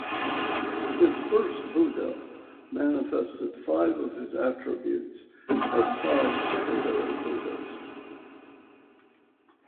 This first Buddha manifested five of his attributes as five secondary Buddhas.